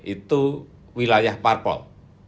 itu wilayah parpol